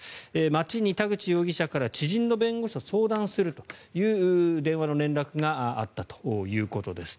町に田口容疑者から知人の弁護士と相談するという電話の連絡があったということです。